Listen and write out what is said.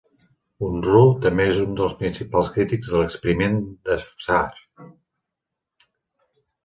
Unruh també es un dels principals crítics de l'experiment d'Afshar.